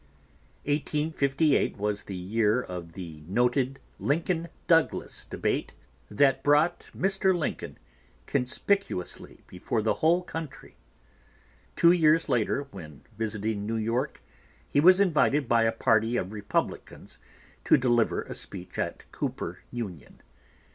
Eighteen fifty eight was the year of the noted Lincoln Douglas Debate that brought Mr. Lincoln conspicuously before the whole country. Two years later, when visiting New York, he was invited by a party of Republicans to deliver a speech at Cooper Union.